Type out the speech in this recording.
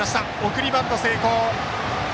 送りバント成功。